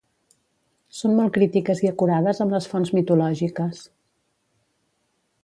Són molt crítiques i acurades amb les fonts mitològiques.